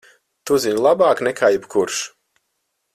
Tu zini labāk nekā jebkurš!